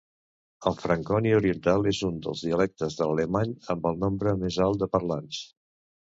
El franconi oriental és un dels dialectes de l'alemany amb el nombre més alt de parlants.